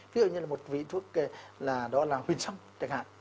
ví dụ như là một vị thuốc đó là huyền xong chẳng hạn